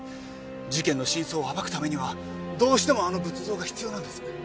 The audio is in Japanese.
事件の真相を暴くためにはどうしてもあの仏像が必要なんです。